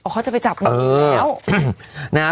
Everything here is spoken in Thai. อ๋อเขาจะไปจับมัวอีกแล้ว